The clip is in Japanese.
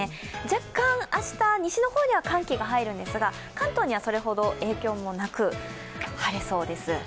若干明日、西の方では寒気が入るんですが関東にはそれほど影響もなく晴れそうです。